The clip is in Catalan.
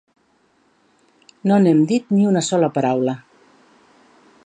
No n’hem dit ni una sola paraula.